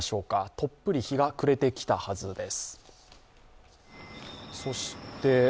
とっぷり日が暮れてきたはずです。